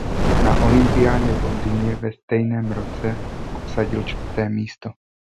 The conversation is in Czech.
Na olympiádě v Londýně ve stejném roce obsadil čtvrté místo.